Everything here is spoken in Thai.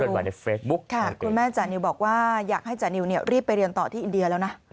แต่คุณแม่ของจานิวอยากให้จานิวรีบไปเรียนต่อที่อินเดียแล้วนะ